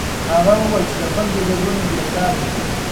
هغه وویل چې د خلکو ګډون بېساری و.